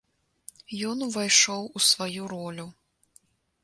Ён увайшоў у сваю ролю.